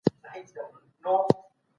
بهرني شرکتونه دلته کارخانې جوړوي.